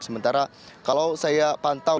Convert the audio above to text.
sementara kalau saya pantas